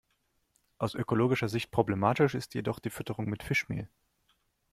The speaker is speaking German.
Aus ökologischer Sicht problematisch ist jedoch die Fütterung mit Fischmehl.